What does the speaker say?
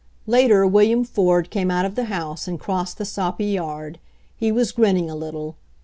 Later William Ford came out of the house and crossed the soppy yard. He was grinning A little.